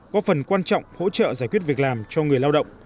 có phần quan trọng hỗ trợ giải quyết việc làm cho người lao động